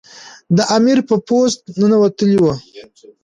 د امیر په پوست ننوتلی وو.